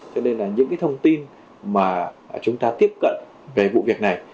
cho nên là những cái thông tin mà chúng ta tiếp cận về vụ việc này